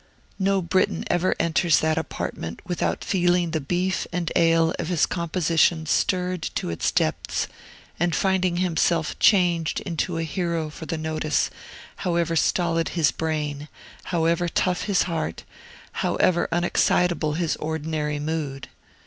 No Briton ever enters that apartment without feeling the beef and ale of his composition stirred to its depths, and finding himself changed into a Hero for the notice, however stolid his brain, however tough his heart, however unexcitable his ordinary mood.